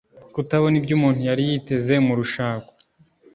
kutabona ibyo umuntu yari yiteze mu rushako